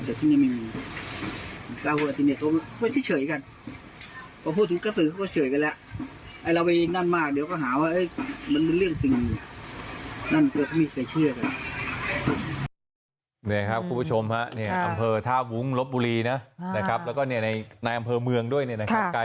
แต่ที่นี่ไม่มีกาโฮลาทีเน็ตก็เฉยกัน